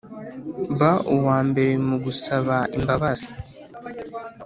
ba uwambere mugusaba imbabazi